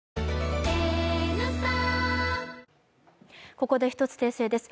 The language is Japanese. ここで１つ訂正です。